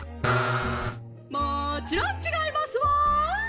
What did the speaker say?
「もちろんちがいますわ」。